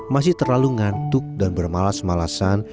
masih terlalu ngantuk dan bermalas malasan